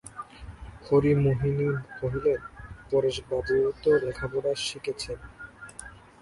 হরিমোহিনী কহিলেন, পরেশবাবুও তো লেখাপড়া শিখেছেন।